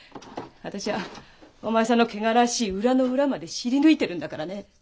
私はお前さんの汚らわしい裏の裏まで知り抜いてるんだからね。